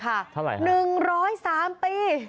เพราะไงครับ๑๐๓ปี